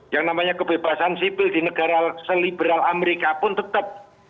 yang namanya kebebasan sipil di negara seliberal amerika pun tetap